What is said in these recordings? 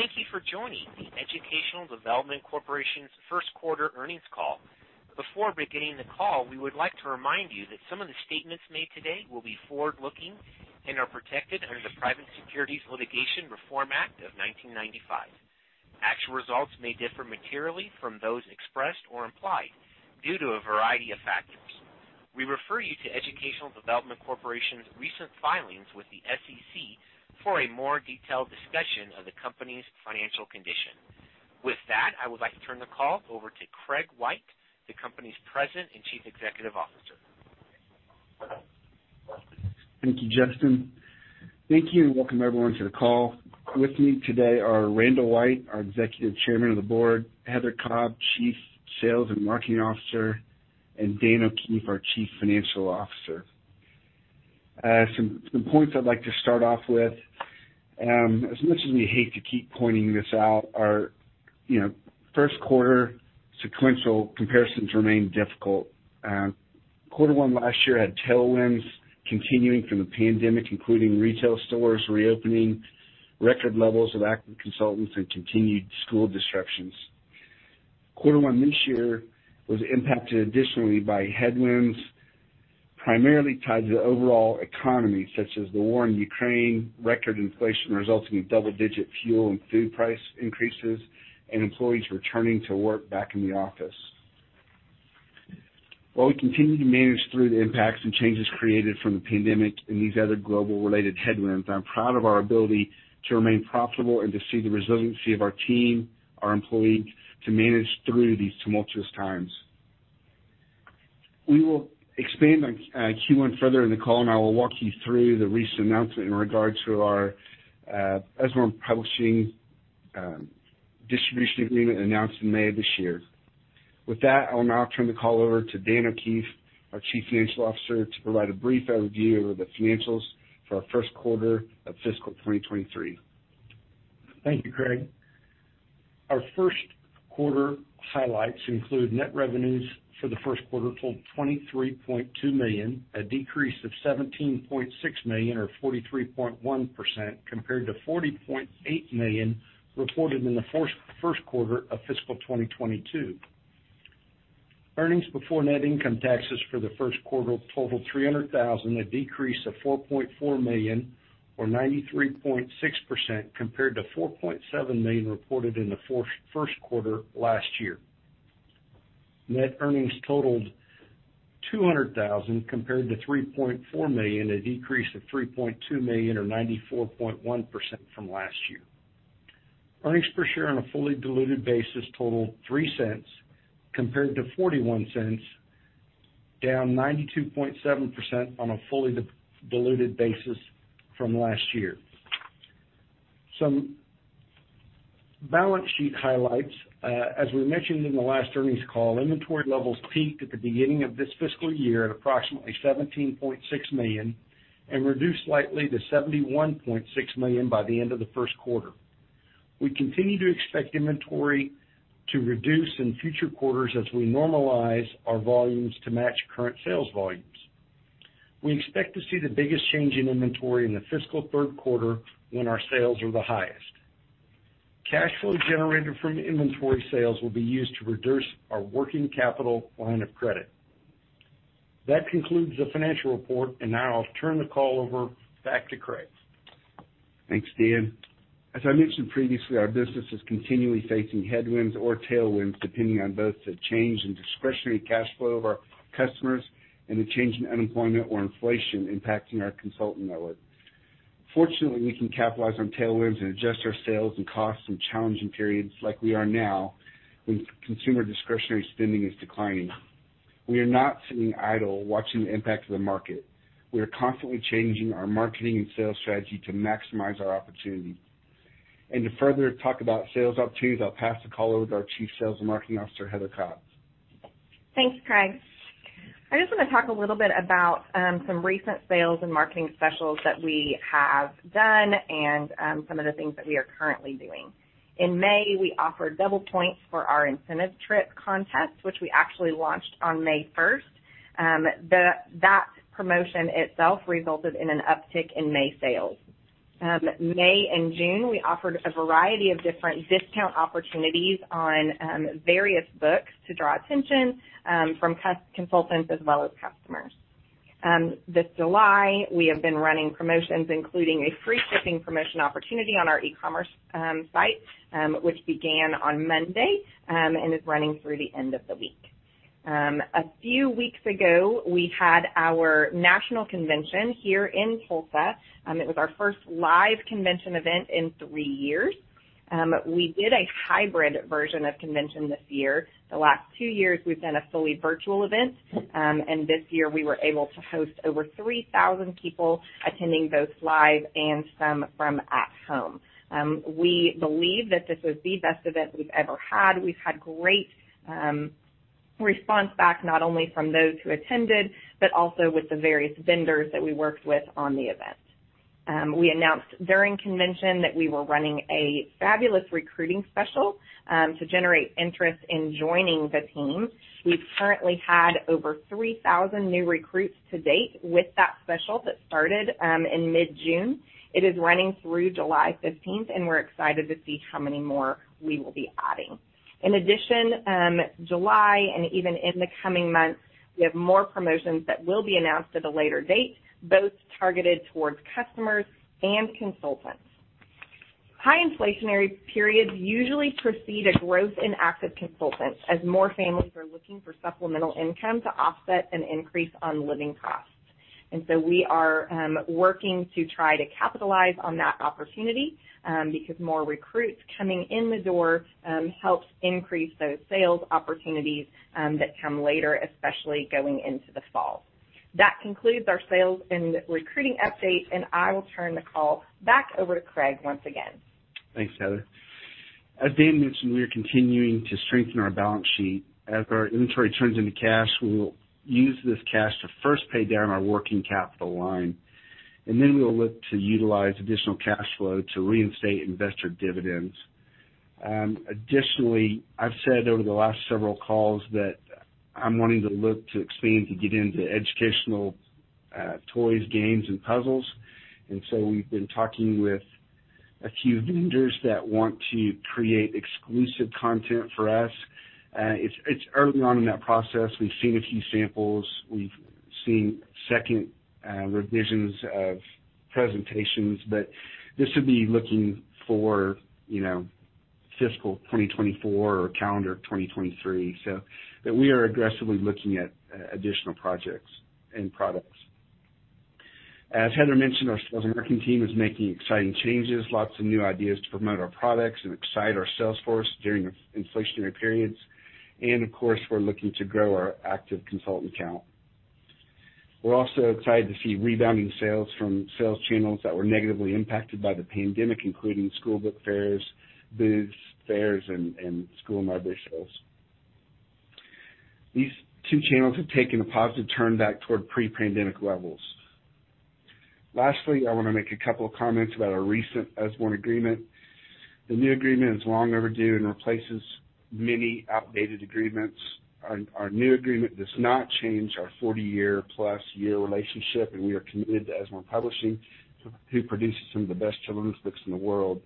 Thank you for joining the Educational Development Corporation's first quarter earnings call. Before beginning the call, we would like to remind you that some of the statements made today will be forward-looking and are protected under the Private Securities Litigation Reform Act of 1995. Actual results may differ materially from those expressed or implied due to a variety of factors. We refer you to Educational Development Corporation's recent filings with the SEC for a more detailed discussion of the company's financial condition. With that, I would like to turn the call over to Craig White, the company's President and Chief Executive Officer. Thank you, Justin. Thank you, and welcome everyone to the call. With me today are Randall White, our Executive Chairman of the Board, Heather Cobb, Chief Sales and Marketing Officer, and Dan O'Keefe, our Chief Financial Officer. Some points I'd like to start off with. As much as we hate to keep pointing this out, our, you know, first quarter sequential comparisons remain difficult. Quarter one last year had tailwinds continuing from the pandemic, including retail stores reopening, record levels of active consultants, and continued school disruptions. Quarter one this year was impacted additionally by headwinds primarily tied to the overall economy, such as the war in Ukraine, record inflation resulting in double-digit fuel and food price increases, and employees returning to work back in the office. While we continue to manage through the impacts and changes created from the pandemic and these other global-related headwinds, I'm proud of our ability to remain profitable and to see the resiliency of our team, our employees, to manage through these tumultuous times. We will expand on Q1 further in the call, and I will walk you through the recent announcement in regards to our publishing distribution agreement announced in May of this year. With that, I will now turn the call over to Dan O'Keefe, our Chief Financial Officer, to provide a brief overview of the financials for our first quarter of fiscal 2023. Thank you, Craig. Our first quarter highlights include net revenues for the first quarter totaled $23.2 million, a decrease of $17.6 million or 43.1% compared to $40.8 million reported in the first quarter of fiscal 2022. Earnings before income taxes for the first quarter totaled $300 thousand, a decrease of $4.4 million or 93.6% compared to $4.7 million reported in the first quarter last year. Net earnings totaled $200 thousand compared to $3.4 million, a decrease of $3.2 million or 94.1% from last year. Earnings per share on a fully diluted basis totaled $0.03 compared to $0.41, down 92.7% on a fully diluted basis from last year. Some balance sheet highlights. As we mentioned in the last earnings call, inventory levels peaked at the beginning of this fiscal year at approximately $17.6 million and reduced slightly to $71.6 million by the end of the first quarter. We continue to expect inventory to reduce in future quarters as we normalize our volumes to match current sales volumes. We expect to see the biggest change in inventory in the fiscal third quarter when our sales are the highest. Cash flow generated from inventory sales will be used to reduce our working capital line of credit. That concludes the financial report, and now I'll turn the call over back to Craig. Thanks, Dan. As I mentioned previously, our business is continually facing headwinds or tailwinds, depending on both the change in discretionary cash flow of our customers and the change in unemployment or inflation impacting our consultant network. Fortunately, we can capitalize on tailwinds and adjust our sales and costs in challenging periods like we are now, when consumer discretionary spending is declining. We are not sitting idle watching the impact of the market. We are constantly changing our marketing and sales strategy to maximize our opportunity. To further talk about sales opportunities, I'll pass the call over to our Chief Sales and Marketing Officer, Heather Cobb. Thanks, Craig. I just want to talk a little bit about some recent sales and marketing specials that we have done and some of the things that we are currently doing. In May, we offered double points for our incentive trip contest, which we actually launched on May 1st. That promotion itself resulted in an uptick in May sales. May and June, we offered a variety of different discount opportunities on various books to draw attention from consultants as well as customers. This July, we have been running promotions, including a free shipping promotion opportunity on our e-commerce site, which began on Monday and is running through the end of the week. A few weeks ago, we had our national convention here in Tulsa. It was our first live convention event in three years. We did a hybrid version of convention this year. The last two years, we've done a fully virtual event. This year we were able to host over 3,000 people attending both live and some from at home. We believe that this was the best event we've ever had. We've had great response back not only from those who attended, but also with the various vendors that we worked with on the event. We announced during convention that we were running a fabulous recruiting special to generate interest in joining the team. We've currently had over 3,000 new recruits to date with that special that started in mid-June. It is running through July 15th, and we're excited to see how many more we will be adding. In addition, July and even in the coming months, we have more promotions that will be announced at a later date, both targeted towards customers and consultants. High inflationary periods usually precede a growth in active consultants as more families are looking for supplemental income to offset an increase on living costs. We are working to try to capitalize on that opportunity, because more recruits coming in the door helps increase those sales opportunities that come later, especially going into the fall. That concludes our sales and recruiting update, and I will turn the call back over to Craig once again. Thanks, Heather. As Dan mentioned, we are continuing to strengthen our balance sheet. As our inventory turns into cash, we will use this cash to first pay down our working capital line, and then we will look to utilize additional cash flow to reinstate investor dividends. Additionally, I've said over the last several calls that I'm wanting to look to expand, to get into educational toys, games, and puzzles. We've been talking with a few vendors that want to create exclusive content for us. It's early on in that process. We've seen a few samples. We've seen second revisions of presentations, but this would be looking for, you know, fiscal 2024 or calendar 2023. We are aggressively looking at additional projects and products. As Heather mentioned, our sales and marketing team is making exciting changes, lots of new ideas to promote our products and excite our sales force during inflationary periods. Of course, we're looking to grow our active consultant count. We're also excited to see rebounding sales from sales channels that were negatively impacted by the pandemic, including school book fairs, booths, fairs, and school and vendor shows. These two channels have taken a positive turn back toward pre-pandemic levels. Lastly, I wanna make a couple of comments about our recent Usborne agreement. The new agreement is long overdue and replaces many outdated agreements. Our new agreement does not change our 40-plus-year relationship, and we are committed to Usborne Publishing, who produces some of the best children's books in the world,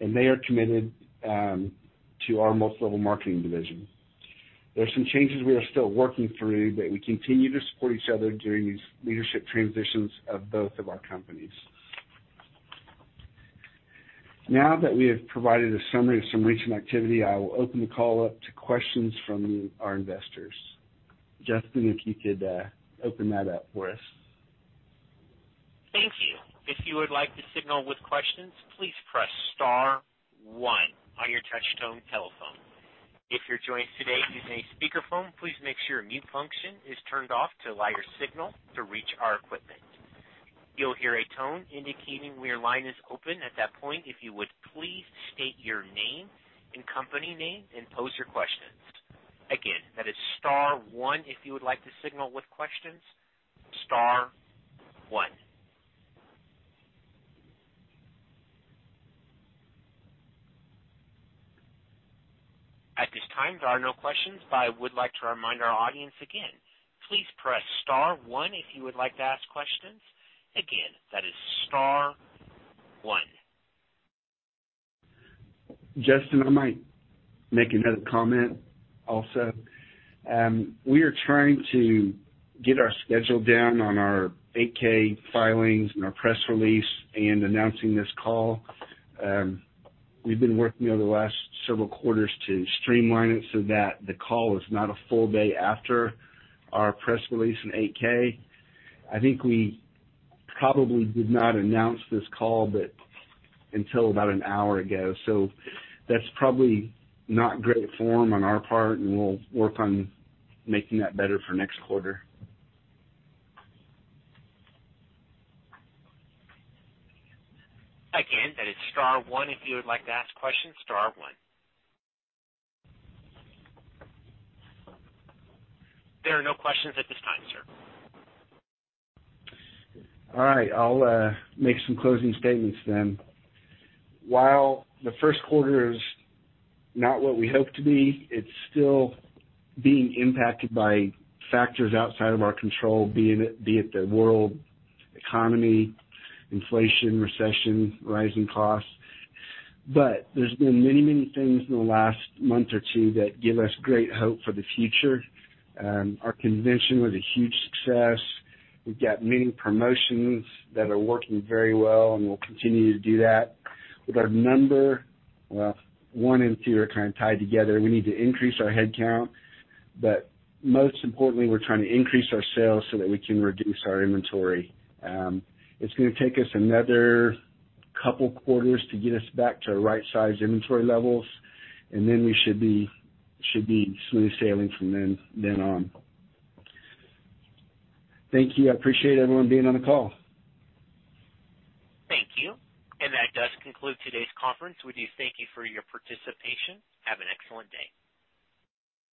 and they are committed to our multi-level marketing division. There are some changes we are still working through, but we continue to support each other during these leadership transitions of both of our companies. Now that we have provided a summary of some recent activity, I will open the call up to questions from our investors. Justin, if you could, open that up for us. Thank you. If you would like to signal with questions, please press star one on your touch tone telephone. If you're joining today using a speakerphone, please make sure your mute function is turned off to allow your signal to reach our equipment. You'll hear a tone indicating when your line is open. At that point, if you would please state your name and company name and pose your questions. Again, that is star one if you would like to signal with questions, star one. At this time, there are no questions, but I would like to remind our audience again, please press star one if you would like to ask questions. Again, that is star one. Justin, I might make another comment also. We are trying to get our schedule down on our 8-K filings and our press release and announcing this call. We've been working over the last several quarters to streamline it so that the call is not a full day after our press release and 8-K. I think we probably did not announce this call, but until about an hour ago. That's probably not great form on our part, and we'll work on making that better for next quarter. Again, that is star one if you would like to ask questions, star one. There are no questions at this time, sir. All right. I'll make some closing statements then. While the first quarter is not what we hoped to be, it's still being impacted by factors outside of our control, be it the world economy, inflation, recession, rising costs. There's been many things in the last month or two that give us great hope for the future. Our convention was a huge success. We've got many promotions that are working very well, and we'll continue to do that. With our number, well, one and two are kind of tied together. We need to increase our head count, but most importantly, we're trying to increase our sales so that we can reduce our inventory. It's gonna take us another couple quarters to get us back to right-sized inventory levels, and then we should be smooth sailing from then on. Thank you. I appreciate everyone being on the call. Thank you. That does conclude today's conference. We do thank you for your participation. Have an excellent day.